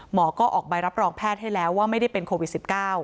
หมอก็ออกใบรับรองแพทย์ให้แล้วว่าไม่ได้เป็นโควิด๑๙